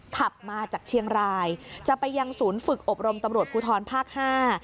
ขับมาจากเชียงรายจะไปยังศูนย์ฝึกอบรมตำรวจภูทรภาคห้า